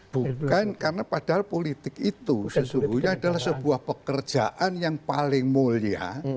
bukan karena padahal politik itu sesungguhnya adalah sebuah pekerjaan yang paling mulia